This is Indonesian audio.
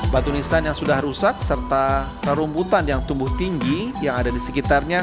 batu nisan yang sudah rusak serta rumputan yang tumbuh tinggi yang ada di sekitarnya